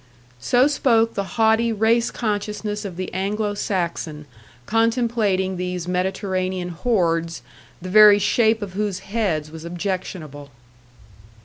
So spoke the haughty race consciousness of the Anglo Saxon, contemplating these Mediterranean hordes, the very shape of whose heads was objectionable.